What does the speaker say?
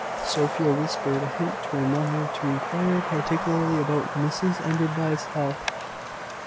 Sophia whispered a hint to her mother to inquire particularly about Mrs Enderby's health.